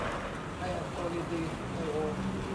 ไธอะโซลิดีนไดโอน